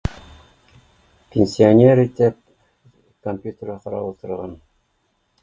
Пенсионер итеп компьютерға ҡарап ултырған